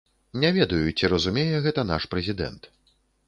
Не ведаю, ці разумее гэта наш прэзідэнт.